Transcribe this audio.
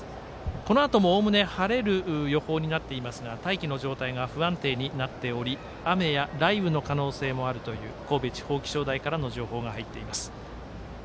このあとも、おおむね晴れる予報になっていますが大気の状態が不安定になっており雨や雷雨の可能性もあるという神戸地方気象台からの情報が入っています。